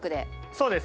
そうです。